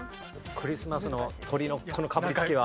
クリスマスの鶏のかぶりつきは。